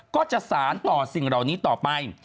ก็จะสารต่อสิ่งเหล่านี้ต่อไป